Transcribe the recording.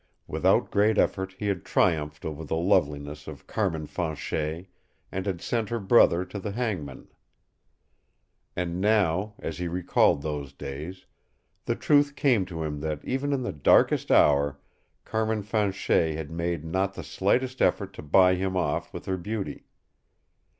Without great effort he had triumphed over the loveliness of Carmin Fanchet and had sent her brother to the hangman. And now, as he recalled those days, the truth came to him that even in the darkest hour Carmin Fanchet had made not the slightest effort to buy him off with her beauty.